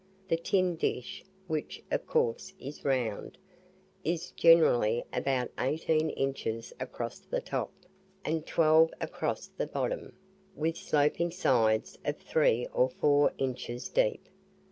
The tin dish (which, of course, is round) is generally about eighteen inches across the top, and twelve across the bottom, with sloping sides of three or four inches deep.